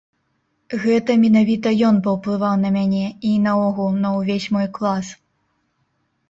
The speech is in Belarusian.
Гэта менавіта ён паўплываў на мяне і, наогул, на ўвесь мой клас.